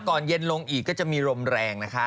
เย็นลงอีกก็จะมีลมแรงนะคะ